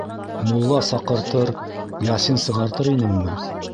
Мулла саҡыртыр, ясин сығартыр инеңме?